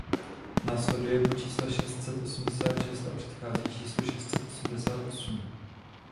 Následuje po čísle šest set osmdesát šest a předchází číslu šest set osmdesát osm.